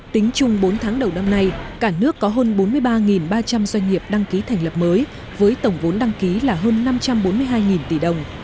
tính chung bốn tháng đầu năm nay cả nước có hơn bốn mươi ba ba trăm linh doanh nghiệp đăng ký thành lập mới với tổng vốn đăng ký là hơn năm trăm bốn mươi hai tỷ đồng